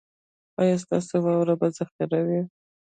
ایا ستاسو واوره به ذخیره وي؟